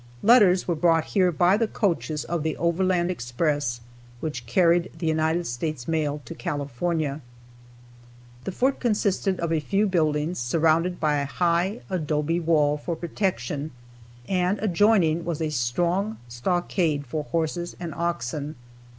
Letters were brought here by the coaches of the overland express which carried the United States mail to California. The fort consisted of a few buildings surrounded by a high adobe wall for protection; and adjoining was a strong stockade for horses and oxen.